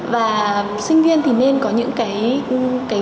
và sinh viên thì nên có những cái